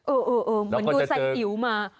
เออเหมือนดูไซ่อิ๋วมา